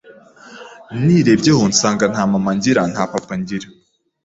nirebyeho nsanga nta mama ngira, nta papa ngira